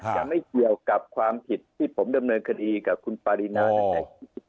จะไม่เกี่ยวกับความผิดที่ผมดำเนินคดีกับคุณปารินาตั้งแต่